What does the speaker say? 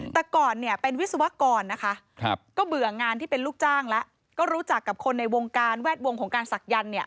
แต่ก่อนเนี่ยเป็นวิศวกรนะคะก็เบื่องานที่เป็นลูกจ้างแล้วก็รู้จักกับคนในวงการแวดวงของการศักยันต์เนี่ย